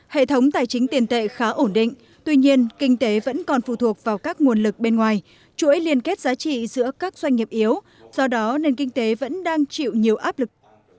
hệ thống tài chính tiền tệ khá ổn định tuy nhiên kinh tế vẫn còn phụ thuộc vào các nguồn lực bên ngoài chuỗi liên kết giá trị giữa các doanh nghiệp yếu do đó nền kinh tế vẫn đang chịu nhiều áp lực